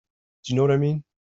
Do you know what I mean?